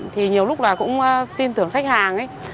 thì nhiều lúc là cũng tin tưởng khách hàng ấy